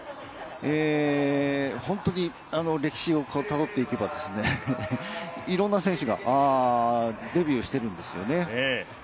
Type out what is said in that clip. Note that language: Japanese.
本当に歴史をたどっていけば、いろんな選手がデビューしているんですよね。